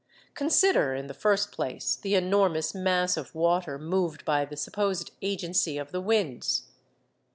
Consider, in the first place, the enormous mass of water moved by the supposed agency of the winds.